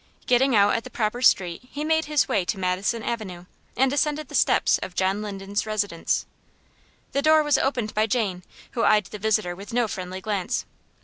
Getting out at the proper street, he made his way to Madison Avenue, and ascended the steps of John Linden's residence. The door was opened by Jane, who eyed the visitor with no friendly glance.